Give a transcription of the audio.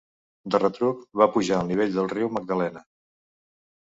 De retruc va pujar el nivell del Riu Magdalena.